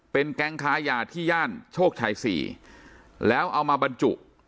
เป็นแก๊งค้ายาที่ย่านโชคชัย๔แล้วเอามาบรรจุ